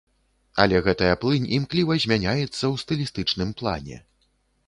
Але гэтая плынь імкліва змяняецца ў стылістычным плане.